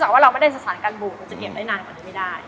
จะเก็บได้นานกว่าไม่ได้